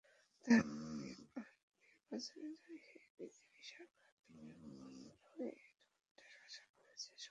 আর নির্বাচনে জয়ী হলে বিজেপি সরকার বিনিয়োগবান্ধব হবে এমনটিই আশা করছেন সংশ্লিষ্টরা।